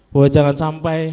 bahwa jangan sampai